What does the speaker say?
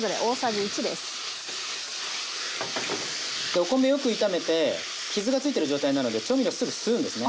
お米よく炒めて傷がついてる状態なので調味料すぐ吸うんですね。